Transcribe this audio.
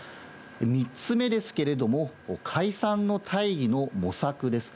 ３つ目ですけれども、解散の大義の模索です。